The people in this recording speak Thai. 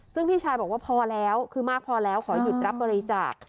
ซึ่งพี่ชายบอกว่าพอแล้วคือมากพอแล้วขอหยุดรับบริจาค